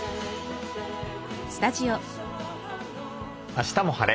「あしたも晴れ！